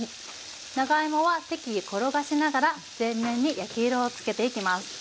長芋は適宜転がしながら全面に焼き色をつけていきます。